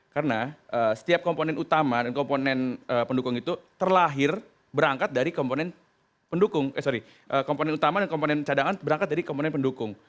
karena setiap komponen utama dan komponen cadangan berangkat dari komponen pendukung